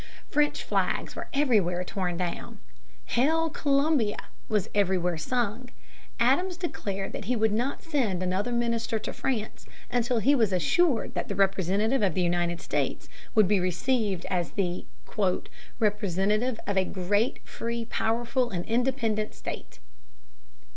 French flags were everywhere torn down. "Hail Columbia" was everywhere sung. Adams declared that he would not send another minister to France until he was assured that the representative of the United States would be received as "the representative of a great, free, powerful, and independent state."